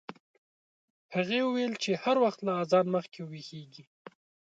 هغې وویل چې هر وخت له اذان مخکې ویښیږي.